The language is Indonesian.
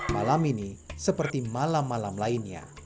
malam ini seperti malam malam lainnya